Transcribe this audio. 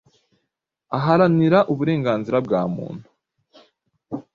aharanira uburenganzira bwa muntu,